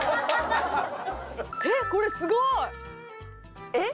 えっこれすごい！えっ？